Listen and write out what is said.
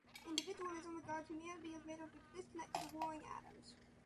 Individualism regards humanity as made up of disconnected or warring atoms.